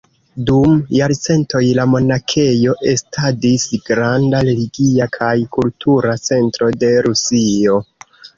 Dum jarcentoj la monakejo estadis granda religia kaj kultura centro de Rusio.